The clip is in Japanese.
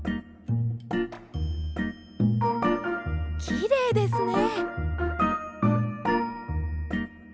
きれいですね。